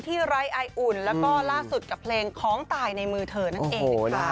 ใช่แล้วก็เป็นนางเอกเอมวีด้วยนะ